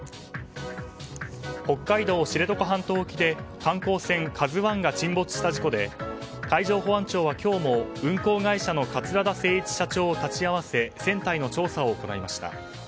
北海道知床半島沖で観光船「ＫＡＺＵ１」が沈没した事故で海上保安庁は今日も運航会社の桂田精一社長を立ち会わせ船体の調査を行いました。